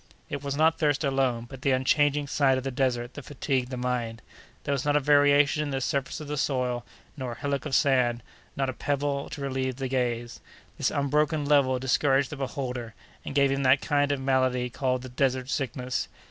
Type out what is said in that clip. It was not thirst alone, but the unchanging sight of the desert, that fatigued the mind. There was not a variation in the surface of the soil, not a hillock of sand, not a pebble, to relieve the gaze. This unbroken level discouraged the beholder, and gave him that kind of malady called the "desert sickness."